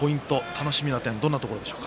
楽しみな点どんなところでしょう。